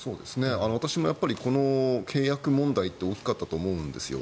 私もやっぱりこの契約問題って大きかったと思うんですよ。